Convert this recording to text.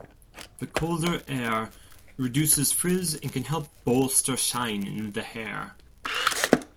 The colder air reduces frizz and can help to bolster shine in the hair.